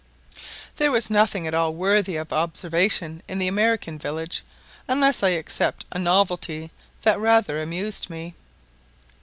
There was nothing at all worthy of observation in the American village, unless I except a novelty that rather amused me.